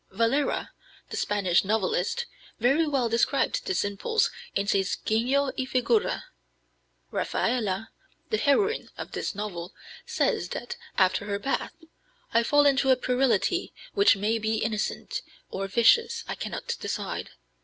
Valera, the Spanish novelist, very well described this impulse in his Genio y Figura. Rafaela, the heroine of this novel, says that, after her bath: "I fall into a puerility which may be innocent or vicious, I cannot decide.